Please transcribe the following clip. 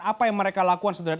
apa yang mereka lakukan sebenarnya